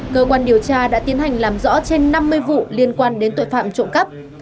cơ quan điều tra đã tiến hành làm rõ trên năm mươi vụ liên quan đến tội phạm trộm cắp